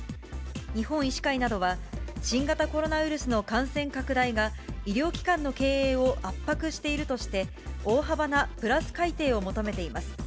日本医師会などは、新型コロナウイルスの感染拡大が、医療機関の経営を圧迫しているとして、大幅なプラス改定を求めています。